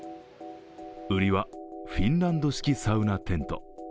売りはフィンランド式サウナテント。